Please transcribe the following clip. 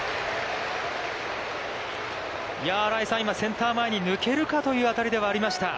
新井さん、今センター前に抜けるかという当たりではありました。